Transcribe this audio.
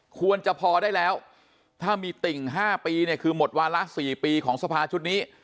ควรจะพอได้แล้วถ้ามีติ่ง๕ปีเนี่ยคือหมดวาระ๔ปีของสภาชุดนี้